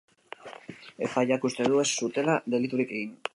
Epaileak uste du ez zutela deliturik egin.